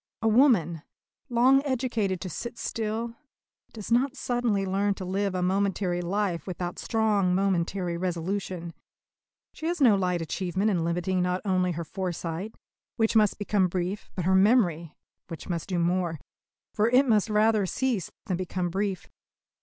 A woman, long educated to sit still, does not suddenly learn to live a momentary life without strong momentary resolution. She has no light achievement in limiting not only her foresight, which must become brief, but her memory, which must do more; for it must rather cease than become brief.